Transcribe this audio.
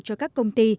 cho các công ty